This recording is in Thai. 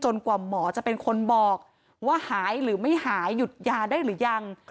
กว่าหมอจะเป็นคนบอกว่าหายหรือไม่หายหยุดยาได้หรือยัง